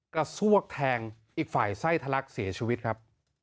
ซวกแทงอีกฝ่ายไส้ทะลักเสียชีวิตครับ